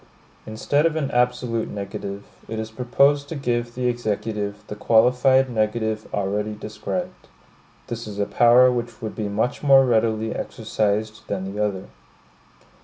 Instead of an absolute negative, it is proposed to give the Executive the qualified negative already described. This is a power which would be much more readily exercised than the other.